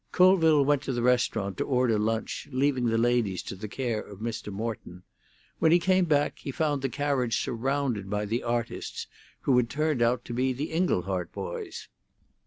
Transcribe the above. Colville went to the restaurant to order lunch, leaving the ladies to the care of Mr. Morton. When he came back he found the carriage surrounded by the artists, who had turned out to be the Inglehart boys.